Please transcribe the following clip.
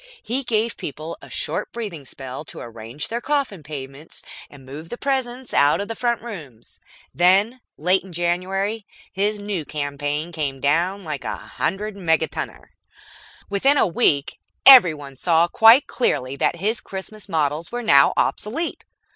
He gave people a short breathing spell to arrange their coffin payments and move the presents out of the front rooms. Then, late in January, his new campaign came down like a hundred megatonner. Within a week, everyone saw quite clearly that his Christmas models were now obsolete.